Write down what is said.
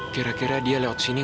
kamu kok disini